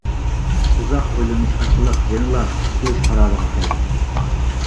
ئۇزاق ئويلىنىش ئارقىلىق يەنىلا سۈكۈت قىلىش قارارىغا كەلدىم.